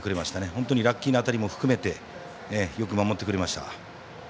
本当にラッキーな当たりも含めてよく守ってくれました。